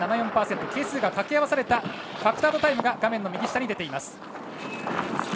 係数が掛け合わされたファクタードタイムが画面の右下に出ています。